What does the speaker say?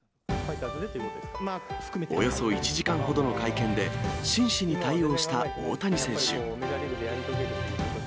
およそ１時間ほどの会見で、真摯に対応した大谷選手。